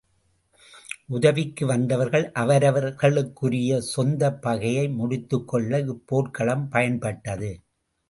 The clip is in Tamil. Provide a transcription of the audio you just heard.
உதவிக்கு வந்தவர்கள் அவரவர் களுக்குரிய சொந்தப் பகையை முடித்துக்கொள்ள இப் போர்க்களம் பயன்பட்டது.